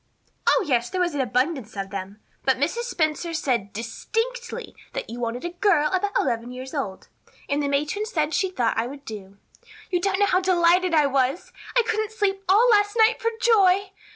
"Oh, yes, there was an abundance of them. But Mrs. Spencer said distinctly that you wanted a girl about eleven years old. And the matron said she thought I would do. You don't know how delighted I was. I couldn't sleep all last night for joy.